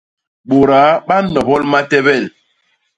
Bôdaa ba nnobol matebel.